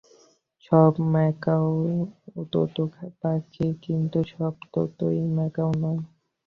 সব ম্যাকাও-ই তোতাপাখি, কিন্তু সব তোতা-ই ম্যাকাও নয়।